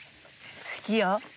好きよ。